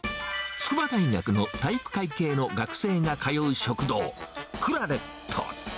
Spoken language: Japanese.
筑波大学の体育会系の学生が通う食堂、クラレット。